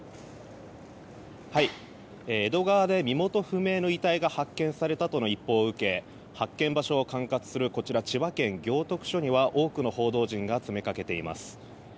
江戸川で身元不明の遺体が発見されたとの一報を受け発見場所を管轄するこちら千葉県行徳署には多くの報道陣が詰めかけています。